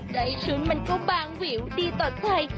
ได้ชุดมันก็บางวิวดีต่อใจ